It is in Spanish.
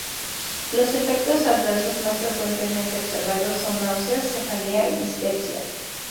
Los efectos adversos más frecuentemente observados son náuseas, cefalea y dispepsia.